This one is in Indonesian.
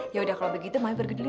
yaudah kalau begitu mami pergi dulu ya